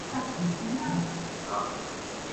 是粤东五大河流中污染指数最严重的河流。